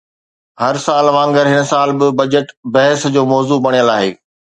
هر سال وانگر هن سال به بجيٽ بحث جو موضوع بڻيل آهي